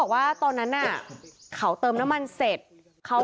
ขอบคุณครับ